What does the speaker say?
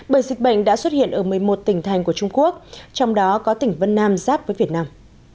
bởi dịch bệnh đã xuất hiện ở một mươi một tỉnh thành của trung quốc trong đó có tỉnh vân nam giáp với việt nam